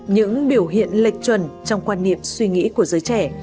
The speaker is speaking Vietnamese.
những biểu hiện lệch chuẩn trong quan niệm suy nghĩ của giới trẻ